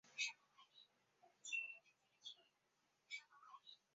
写真集在书泉书店的周排名内曾夺得第一名的纪录。